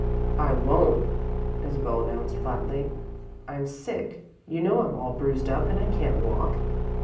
"I won't," Isabel announced, flatly. "I'm sick. You know I'm all bruised up and I can't walk."